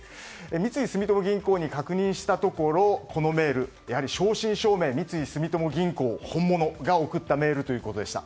三井住友銀行に確認したところこのメール、やはり正真正銘三井住友銀行本物が送ったメールということでした。